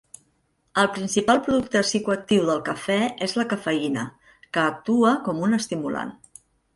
El principal producte psicoactiu del cafè és la cafeïna, que actua com un estimulant.